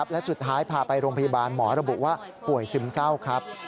และสุดท้ายพาไปโรงพยาบาลหมอระบุว่าป่วยซึมเศร้าครับ